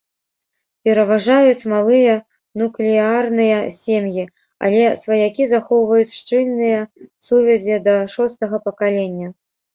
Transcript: Пераважаюць малыя нуклеарныя сем'і, але сваякі захоўваюць шчыльныя сувязі да шостага пакалення.